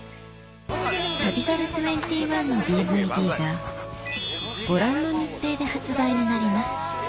『旅猿２１』のＤＶＤがご覧の日程で発売になります